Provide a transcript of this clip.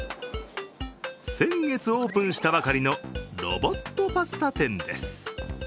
先月オープンしたばかりのロボットパスタ店です。